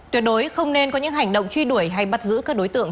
tuyệt đối không nên có những hành động truy đuổi hay bắt giữ các đối tượng